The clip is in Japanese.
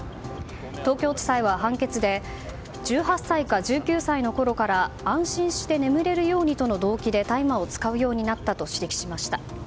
東京地裁は判決で１８歳か１９歳のころから安心して眠れるようにとの動機で大麻を使うようになったと指摘しました。